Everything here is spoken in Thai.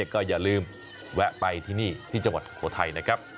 ก็อย่าลืมแวะไปที่นี่ที่จังหวัดสุโขทัยนะครับ